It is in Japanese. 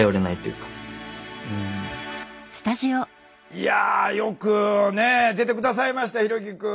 いやよく出て下さいましたひろきくん。